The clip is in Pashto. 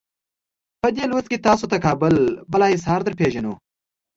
په دې لوست کې تاسې ته کابل بالا حصار درپېژنو.